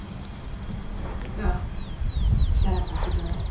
どうか力を貸してちょうだい。